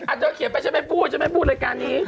เธอเขียนไปฉันไม่พูดฉันไม่พูดรายการนี้